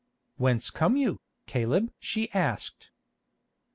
"Whence come you, Caleb?" she asked.